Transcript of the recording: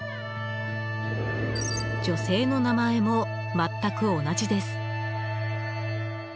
女性の名前も全く同じです。